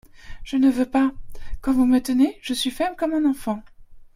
Je ne veux pas … Quand vous me tenez, je suis faible comme un enfant.